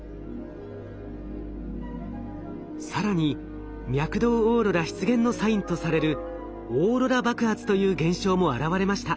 更に脈動オーロラ出現のサインとされるオーロラ爆発という現象も現れました。